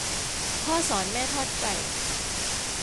พ่อสอนแม่ทอดไก่